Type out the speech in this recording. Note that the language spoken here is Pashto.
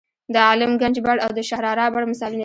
د عالم ګنج بڼ او د شهرارا بڼ مثالونه دي.